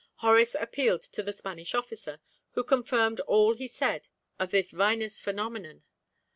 Horace appealed to the Spanish officer, who confirmed all he said of this vinous phenomenon.